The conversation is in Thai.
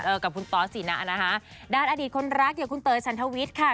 กับคุณตอสสีนะนะคะด้านอดีตคนรักอย่างคุณเตยฉันทวิทย์ค่ะ